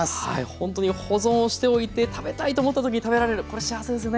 ほんとに保存をしておいて食べたいと思った時に食べられるこれ幸せですよね。